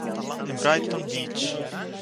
אין ברייטאן ביטש,